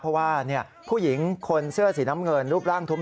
เพราะว่าผู้หญิงคนเสื้อสีน้ำเงินรูปร่างทุ่ม